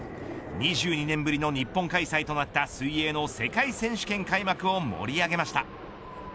２２年ぶりの日本開催となった水泳の世界選手権開幕を盛り上げました。